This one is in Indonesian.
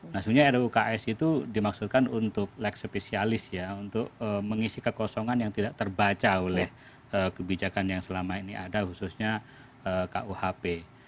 nah sebenarnya ruuks itu dimaksudkan untuk leg spesialis ya untuk mengisi kekosongan yang tidak terbaca oleh kebijakan yang selama ini ada khususnya kuhp